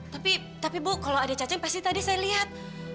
tapi tapi bu kalau ada cacing pasti tadi saya lihat